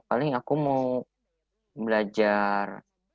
paling aku mau belajar